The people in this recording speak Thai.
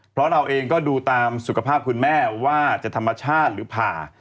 เพราะเราเองก็ดูตามสุขภาพคุณแม่ว่าจะธรรมชาติหรือผ่า